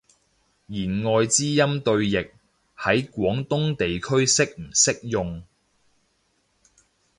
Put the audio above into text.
弦外之音對譯，喺廣東地區適唔適用？